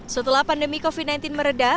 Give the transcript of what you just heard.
setelah pandemi covid sembilan belas meredah